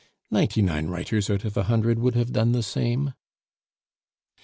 Ninety nine writers out of a hundred would have done the same.